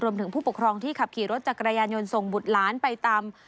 ผู้ปกครองที่ขับขี่รถจักรยานยนต์ส่งบุตรหลานไปตาม